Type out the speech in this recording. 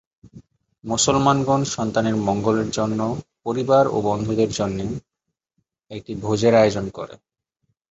মুসলমানগণ সন্তানের মঙ্গলের জন্য পরিবার ও বন্ধুদের জন্য একটি ভোজের আয়োজন করে।